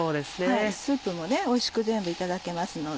スープもおいしく全部いただけますので。